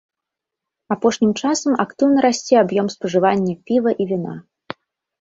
Апошнім часам актыўна расце аб'ём спажывання піва і віна.